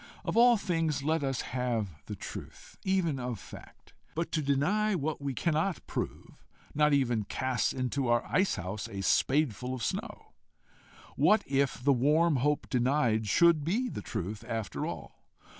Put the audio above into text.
Of all things let us have the truth even of fact! But to deny what we cannot prove, not even casts into our ice house a spadeful of snow. What if the warm hope denied should be the truth after all?